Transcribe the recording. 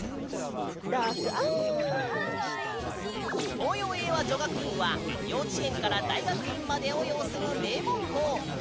東洋英和女学院は幼稚園から大学院までを擁する名門校。